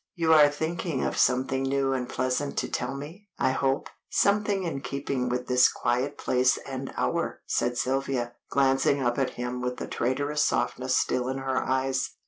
"You are thinking of something new and pleasant to tell me, I hope, something in keeping with this quiet place and hour," said Sylvia, glancing up at him with the traitorous softness still in her eyes.